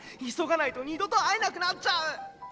急がないと二度と会えなくなっちゃう！